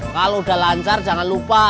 kalau udah lancar jangan lupa